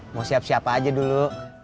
mau siap siapa aja dulu